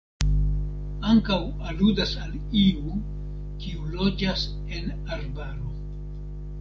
Ankaŭ aludas al iu, kiu loĝas en arbaro.